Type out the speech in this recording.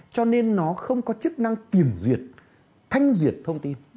cho nên nó không có chức năng kiểm duyệt thanh duyệt thông tin